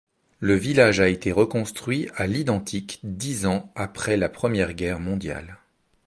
Le village a été reconstruit à l'identique dix ans après la Première Guerre mondiale.